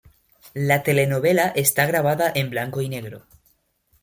La telenovela está grabada en blanco y negro.